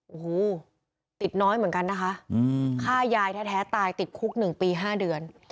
โอ้โหติดน้อยเหมือนกันนะคะฆ่ายายแท้ตายติดคุก๑ปี๕เดือน